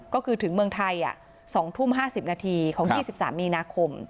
ก็คือถึงเมืองไทย๒ทุ่ม๕๐นาทีของ๒๓มีนาคม